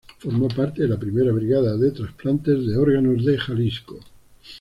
Formó parte de la primera brigada de trasplantes de órganos de Jalisco.